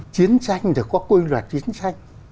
chiến tranh thì có quy luật chiến tranh